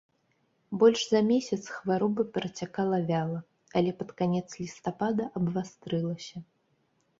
Больш за месяц хвароба працякала вяла, але пад канец лістапада абвастрылася.